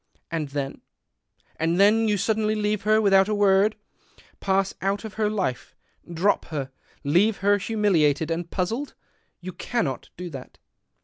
And then ? And then you suddenly leave her without a word, pass out of her life, drop her, leave her humiliated and puzzled. You cannot do that."